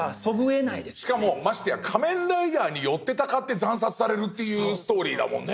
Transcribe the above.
しかもましてや仮面ライダーによってたかって惨殺されるというストーリーだもんね。